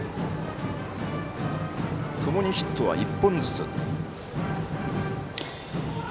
共にヒットは１本ずつ。